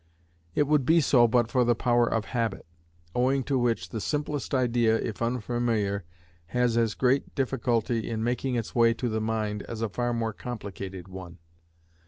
It would be so but for the power of habit; owing to which, the simplest idea, if unfamiliar, has as great difficulty in making its way to the mind as a far more complicated one.